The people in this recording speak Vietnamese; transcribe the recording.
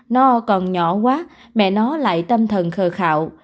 nó còn nhỏ quá mẹ nó lại tâm thần khờ khạo